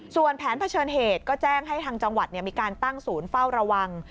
ส่วนแผนเผชิญเหตุก็แจ้งให้ทางจังหวัดมีการตั้งศูนย์เฝ้าระวัง